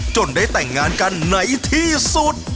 ได้แต่งงานกันไหนที่สุด